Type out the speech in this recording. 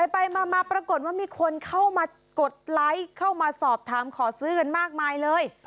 ไปมาปรากฏว่ามีคนเข้ามากดไลค์เข้ามาสอบถามขอซื้อกันมากมายเลย